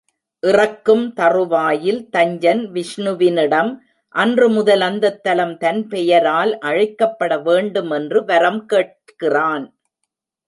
இறக்கும் தறுவாயில் தஞ்சன் விஷ்ணுவினிடம் அன்று முதல் அந்தத் தலம் தன் பெயரால் அழைக்கப்படவேண்டும் என்று வரம்கேட்கிறான்.